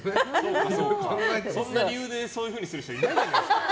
そんな理由でそういうふうにする人いないと思います。